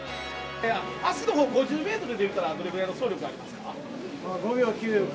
足の方、５０ｍで言ったらどれぐらいの走力がありますか？